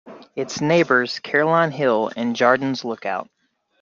It neighbours Caroline Hill and Jardine's Lookout.